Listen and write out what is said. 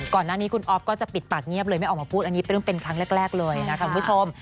ก่อนหน้านี้คุณอ๊อฟก็จะปิดปากเงียบเลยไม่ออกมาพูดอันนี้เป็นเรื่องเป็นครั้งแรกเลยนะคะคุณผู้ชม